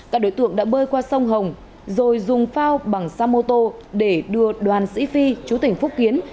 các đối tượng đã bơi qua sông hồng rồi dùng phao bằng xe mô tô để đưa đoàn sĩ phi chú tỉnh phúc kiến